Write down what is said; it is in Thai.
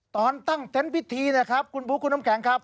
ตอนตั้งเต้นพิธีนะครับคุณผู้คุณอำแขงครับ